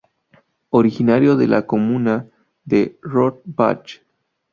Originario de la comuna de Rohrbach.